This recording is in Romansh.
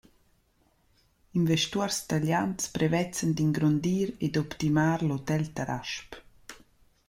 Investuors talians prevezzan d’ingrondir ed optimar l’Hotel Tarasp.